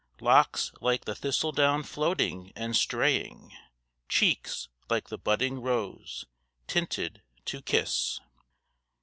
Locks like the thistledown floating and straying, Cheeks like the budding rose, tinted to kiss.